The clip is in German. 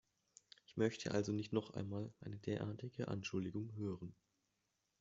Ich möchte also nicht noch einmal eine derartige Anschuldigung hören.